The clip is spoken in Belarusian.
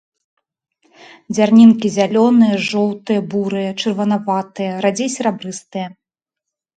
Дзярнінкі зялёныя, жоўтыя, бурыя, чырванаватыя, радзей серабрыстыя.